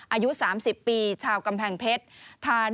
อายุ๓๐ปีชาวกำแพงเพชร